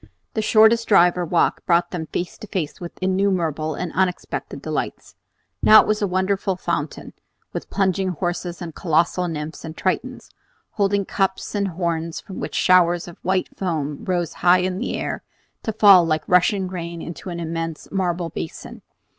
The shortest drive or walk brought them face to face with innumerable and unexpected delights. Now it was a wonderful fountain, with plunging horses and colossal nymphs and Tritons, holding cups and horns from which showers of white foam rose high in air to fall like rushing rain into an immense marble basin.